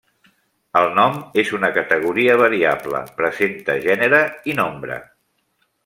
El nom és una categoria variable, presenta gènere i nombre.